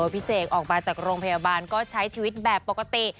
เสกออกมาจากโรงพยาบาลก็ใช้ชีวิตแบบปกติ